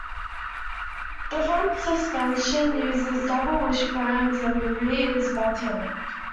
The front suspension uses double wishbones and the rear is multi-link.